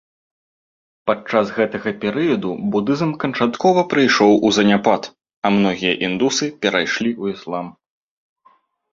Падчас гэтага перыяду будызм канчаткова прыйшоў у заняпад, а многія індусы перайшлі ў іслам.